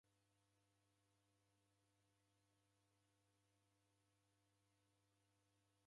Ihi bahari yeko na andu mbaimbai kopumzika.